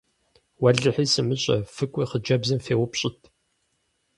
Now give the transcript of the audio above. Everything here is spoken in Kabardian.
Уэлэхьи, сымыщӏэ, фыкӏуи хъыджэбзым феупщӏыт!